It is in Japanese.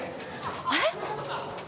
あれ？